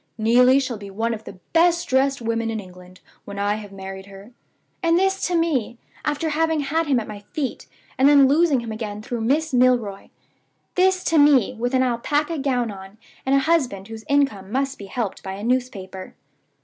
'Neelie shall be one of the best dressed women in England when I have married her.' And this to me, after having had him at my feet, and then losing him again through Miss Milroy! This to me, with an alpaca gown on, and a husband whose income must be helped by a newspaper!